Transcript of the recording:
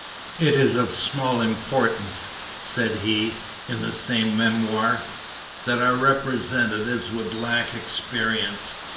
"It is of small importance," said he in the same memoir, "that our representatives would lack experience.